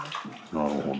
なるほど。